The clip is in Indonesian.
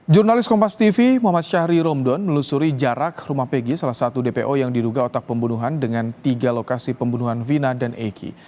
jurnalis kompas tv muhammad syahri romdon melusuri jarak rumah pegi salah satu dpo yang diduga otak pembunuhan dengan tiga lokasi pembunuhan vina dan eki